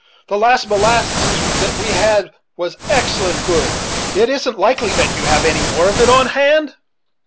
The last molasses that we had was excellent good. It isn't likely that you have any more of it on hand?"